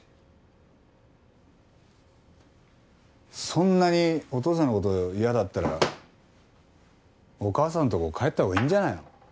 そんなにお父さんの事が嫌だったらお母さんのところ帰ったほうがいいんじゃないの？